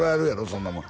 そんなもん